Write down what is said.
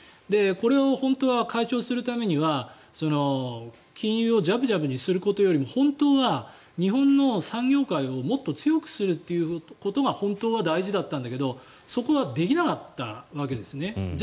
これを本当は解消するためには金融をじゃぶじゃぶにすることよりも本当は日本の産業界をもっと強くすることが本当は大事だったんだけどそこはできなかったわけです。